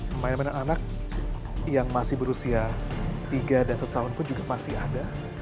pemain pemain anak anak yang masih berusia tiga dan setahun pun juga masih ada